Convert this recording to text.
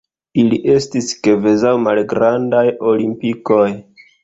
Ili estis kvazaŭ malgrandaj olimpikoj.